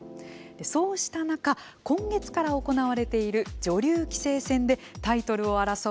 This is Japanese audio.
そうした中今月から行われている女流棋聖戦で、タイトルを争う